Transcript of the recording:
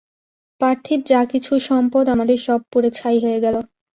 পার্থিব যা কিছু সম্পদ, আমাদের সব পুড়ে ছাই হয়ে গেল।